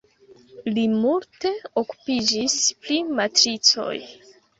Li multe okupiĝis pri matricoj.